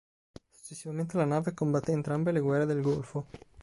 Successivamente la nave combatté entrambe le Guerre del Golfo.